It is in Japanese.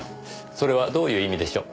それはどういう意味でしょう。